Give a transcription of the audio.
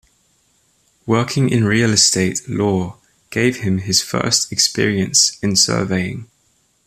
Working in real estate law gave him his first experience in surveying.